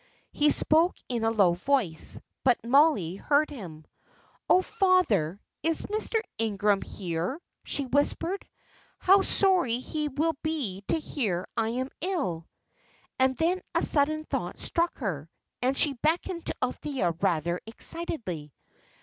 He spoke in a low voice, but Mollie heard him. "Oh, father, is Mr. Ingram here?" she whispered. "How sorry he will be to hear I am ill!" And then a sudden thought struck her, and she beckoned to Althea rather excitedly.